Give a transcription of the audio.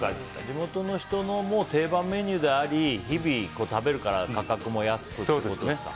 地元の人の定番メニューであり日々、食べるから価格も安くってことですか。